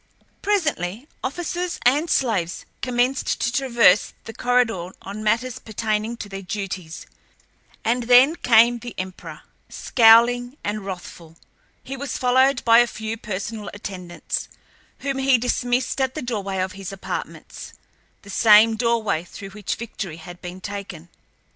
Presently officers and slaves commenced to traverse the corridor on matters pertaining to their duties, and then came the emperor, scowling and wrathful. He was followed by a few personal attendants, whom he dismissed at the doorway to his apartments—the same doorway through which Victory had been taken.